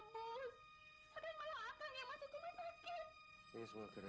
mar aku jadi gak habis pikir sama kamu